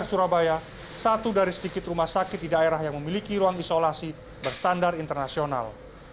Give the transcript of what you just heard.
surabaya satu dari sedikit rumah sakit di daerah yang memiliki ruang isolasi berstandar internasional